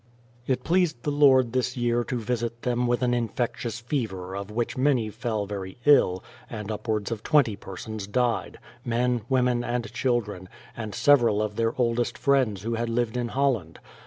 It pleased the Lord this year to visit them with an in 252 BRADFORD'S HISTORY fectlous fever of which many fell very ill, and upwards of twenty persons died, men, women and children, and sev eral of their oldest friends who had lived in Holland.